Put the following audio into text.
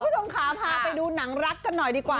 คุณผู้ชมค่ะพาไปดูหนังรักกันหน่อยดีกว่า